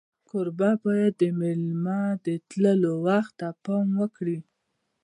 کوربه باید د میلمه د تلو وخت ته پام وکړي.